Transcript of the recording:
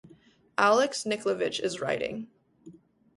Alex Niklovitch is writing.